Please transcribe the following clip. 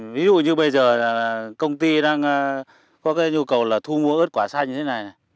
ví dụ như bây giờ công ty đang có nhu cầu thu mua ớt quả xanh như thế này